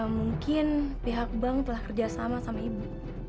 mungkin pihak bank telah kerjasama sama ibu